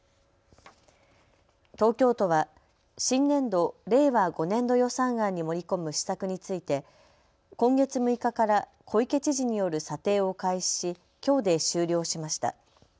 東京都は新年度・令和５年度予算案に盛り込む施策について今月６日から小池知事による査定を開始しきょうで終了しました。